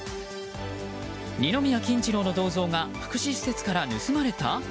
二宮金次郎の銅像が福祉施設から盗まれた？